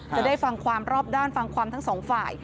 จะได้ฟังความรอบด้านฟังความทั้งสองฝ่าย